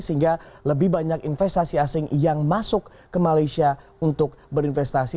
sehingga lebih banyak investasi asing yang masuk ke malaysia untuk berinvestasi